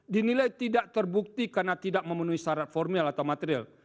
dinilai tidak terbukti karena tidak memenuhi syarat formil atau material